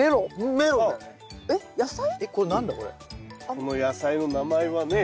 この野菜の名前はね